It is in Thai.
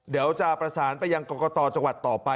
เดี๋ยวจะประสานไปยังกรกตจังหวัดต่อไป